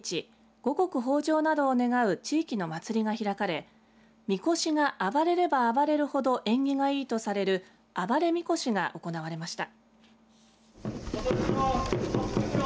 五穀豊じょうなどを願う地域の祭りが開かれみこしが暴れれば暴れるほど縁起がいいとされる暴れみこしが行われました。